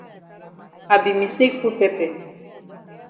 I be mistake put pepper.